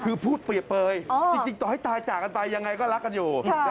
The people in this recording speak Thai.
คือพูดเปรียบเปยจริงต่อให้ตายจากกันไปยังไงก็รักกันอยู่